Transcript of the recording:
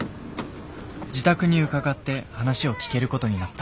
自宅に伺って話を聞けることになった。